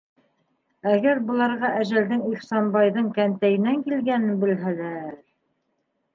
Әгәр быларға әжәлдең Ихсанбайҙың кәнтәйенән килгәнен белһәләр...